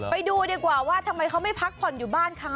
ไปดูดีกว่าว่าทำไมเขาไม่พักผ่อนอยู่บ้านคะ